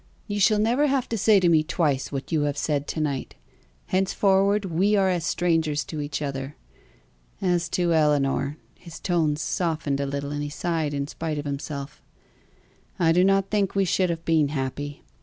"You shall never have to say to me twice what you have said to night. Henceforward we are as strangers to each other. As to Ellinor" his tones softened a little, and he sighed in spite of himself "I do not think we should have been happy.